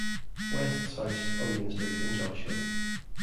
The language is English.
West's house on Main Street in Joshua.